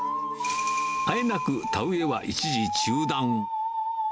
あえなく田植えは一時中断。